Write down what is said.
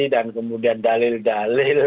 dan kemudian dalil dalil